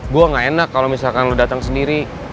gua gak enak kalo misalkan lu datang sendiri